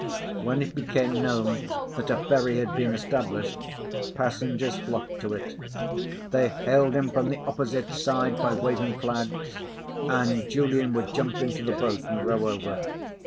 When it became known that a ferry had been established, passengers flocked to it. They hailed him from the opposite side by waving flags, and Julian would jump into the boat and row over.